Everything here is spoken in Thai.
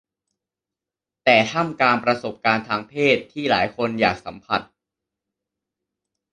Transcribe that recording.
แต่ท่ามกลางประสบการณ์ทางเพศที่หลายคนอยากสัมผัส